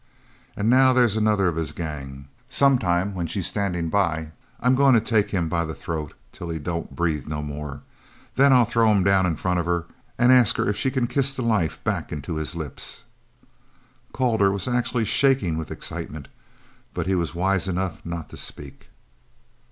"An' now they's another of his gang. Sometime when she's standin' by I'm goin' to take him by the throat till he don't breathe no more. Then I'll throw him down in front of her an' ask her if she c'n kiss the life back into his lips!" Calder was actually shaking with excitement, but he was wise enough not to speak.